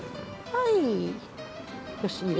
はい。